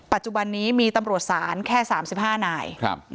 ปัจจุบันนี้มีตำรวจศาลแค่๓๕นาย